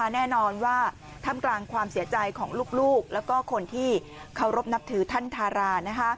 แน่นอนว่าท่ามกลางความเสียใจของลูกแล้วก็คนที่เคารพนับถือท่านทารา